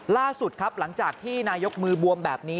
ล่าสุดครับหลังจากที่นายกมือบวมแบบนี้